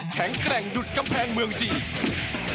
แข็งแกร่งดุดกำแพงเมืองจีน